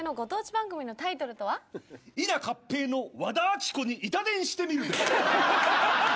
「伊奈かっぺいの和田アキ子にイタ電してみるべ」。